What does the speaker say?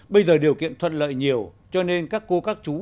bây giờ điều kiện thuận lợi nhiều cho nên các cô các chú